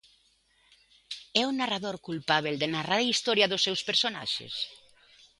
É o narrador culpábel de narrar a historia dos seus personaxes?